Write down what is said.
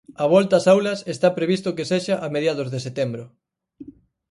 A volta ás aulas está previsto que sexa a mediados de setembro.